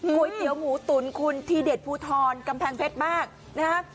ก๋วยเตี๋ยวหมูตุ๋นคุณทีเด็ดภูทรกำแพงเพชรมากนะฮะ